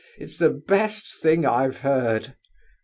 It's the best thing I've heard!"